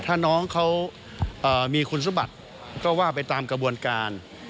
ถ้าน้องเขามีคุณสมบัติก็ว่าไปตามกระบวนการ